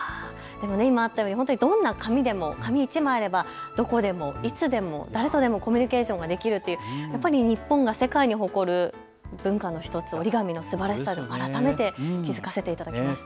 今あったようにどんな紙でも紙１枚あればどこでも、いつでも、誰とでもコミュニケーションができるって日本が世界に誇る文化の１つ、折り紙のすばらしさ、改めて気付かせていただきました。